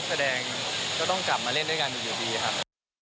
แสดงก็ต้องกลับมาเล่นด้วยกันอยู่ดีครับ